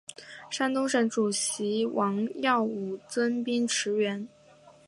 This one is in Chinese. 山东省主席王耀武增兵驰援。